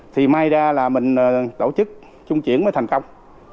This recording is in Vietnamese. thì may ra là mình tổ chức trung chuyển mới thành công